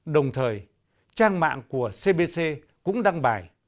đồng thời trang mạng của cbc cũng đăng bài